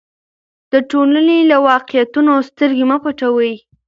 د ټولنې له واقعیتونو سترګې مه پټوئ.